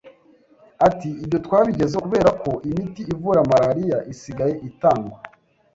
Ati “Ibyo twabigezeho kubera ko imiti ivura malariya isigaye itangwa